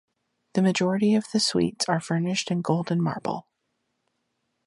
The majority of the suites are furnished in gold and marble.